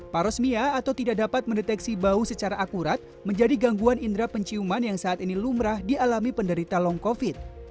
parosmia atau tidak dapat mendeteksi bau secara akurat menjadi gangguan indera penciuman yang saat ini lumrah dialami penderita long covid